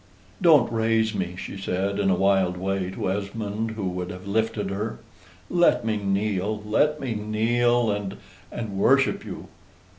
"Don't raise me," she said, in a wild way, to Esmond, who would have lifted her. "Let me kneel let me kneel, and and worship you."